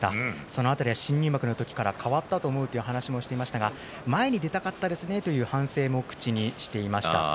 その辺りは新入幕の時から変わったと思うという話をしていましたが前に出たかったですねという反省も口にしていました。